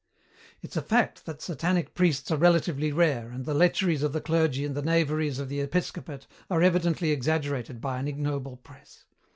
"It's a fact that Satanic priests are relatively rare, and the lecheries of the clergy and the knaveries of the episcopate are evidently exaggerated by an ignoble press.